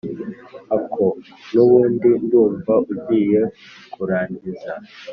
Ako nubundi ndumva ugiye kurangiza